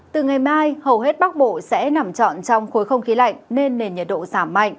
từ ngày mai hầu hết bắc bộ sẽ nằm trọn trong khối không khí lạnh nên nền nhiệt độ giảm mạnh